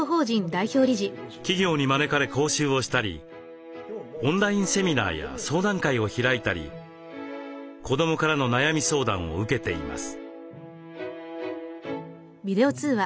企業に招かれ講習をしたりオンラインセミナーや相談会を開いたり子どもからの悩み相談を受けています。